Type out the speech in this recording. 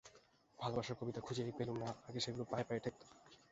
ভালোবাসার কবিতা খুঁজেই পেলুম না, আগে সেগুলো পায়ে পায়ে ঠেকত।